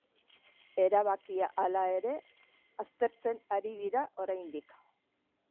Erabakia, hala ere, aztertzen ari dira oraindik.